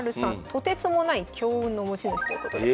とてつもない強運の持ち主ということで。